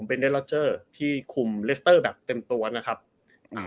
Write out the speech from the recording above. เบนไดลลอเจอร์ที่คุมแบบเต็มตัวนะครับอ่า